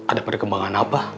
ada perkembangan apa